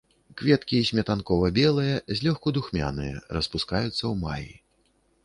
Кветкі сметанкова-белыя, злёгку духмяныя, распускаюцца ў маі.